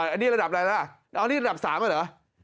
อันนี้ระดับอะไรล่ะอันนี้ระดับสามหรือ